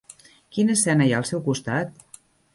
Quina escena hi ha al seu costat?